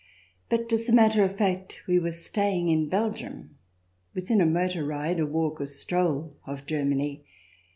But as a matter of fact we were staying in Belgium, within a motor ride, a walk, a stroll of Germany.